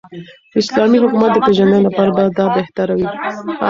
داسلامې حكومت دپيژندني لپاره به دابهتره وي